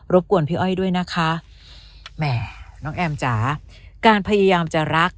กวนพี่อ้อยด้วยนะคะแหมน้องแอมจ๋าการพยายามจะรัก